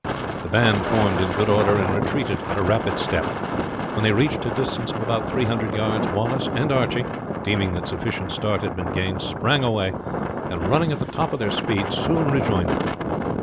The band formed in good order and retreated at a rapid step. When they reached a distance of about 300 yards, Wallace and Archie, deeming that sufficient start had been gained, sprang away, and running at the top of their speed soon rejoined them.